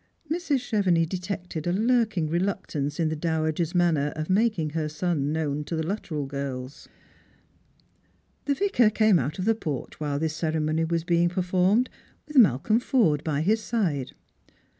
Mrs. Chevenix detected a lurkmg reluctance in the dowager's manner of making her son known to the Luttrell girls. The Vicar came out of the porch while this ceremoDj was Slrangerg and Pilgrims. 91 lieing performed, •with Malcolm Forde by his side.